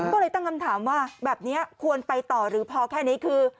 ก็เลยตั้งคำถามว่าแบบนี้ควรไปต่อหรือพอแค่นี้คือ